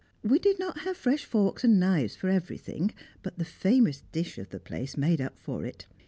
We did not have fresh forks and knives for everything, but the famous dish of the place made up for it.